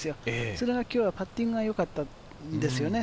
それが今日はパッティングがよかったんですよね。